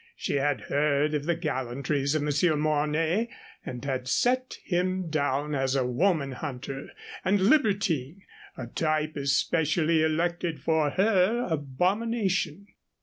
She had heard of the gallantries of Monsieur Mornay, and had set him down as a woman hunter and libertine a type especially elected for her abomination.